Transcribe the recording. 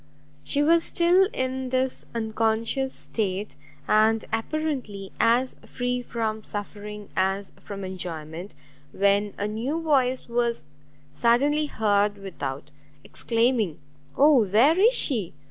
She was still in this unconscious state, and apparently as free from suffering as from enjoyment, when a new voice was suddenly heard without, exclaiming, "Oh where is she?